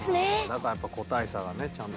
だからやっぱ個体差がねちゃんとあるんだ。